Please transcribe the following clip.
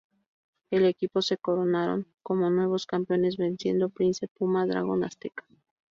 El equipo se coronaron como nuevos campeones venciendo a Prince Puma, Dragón Azteca Jr.